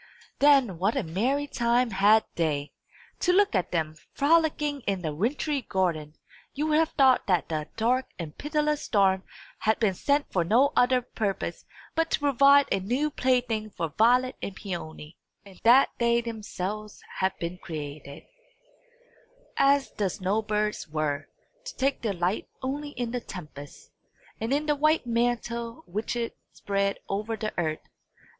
Then what a merry time had they! To look at them, frolicking in the wintry garden, you would have thought that the dark and pitiless storm had been sent for no other purpose but to provide a new plaything for Violet and Peony; and that they themselves had been created, as the snow birds were, to take delight only in the tempest, and in the white mantle which it spread over the earth.